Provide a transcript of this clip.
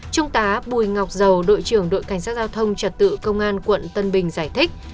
trung tá bùi ngọc dầu đội trưởng đội cảnh sát giao thông trật tự công an quận tân bình giải thích